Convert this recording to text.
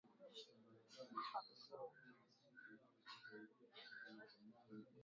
Pia kama makabila Wakurya Waghusii Wakikuyu na Wameru wa Kenya